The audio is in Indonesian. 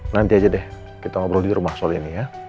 nanti aja deh kita ngobrol di rumah soal ini ya